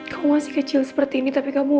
kamu masih kecil seperti ini tapi kamu